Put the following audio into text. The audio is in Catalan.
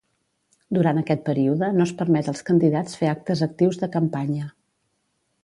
Durant aquest període no es permet als candidats fer actes actius de campanya.